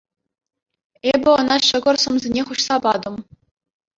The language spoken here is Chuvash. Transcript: Эпӗ ӑна ҫӑкӑр сӑмсине хуҫса патӑм.